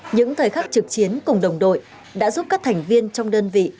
những thời khắc trực chiến cùng đồng đội đã giúp các thành viên trong đơn vị